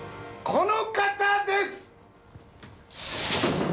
この方です！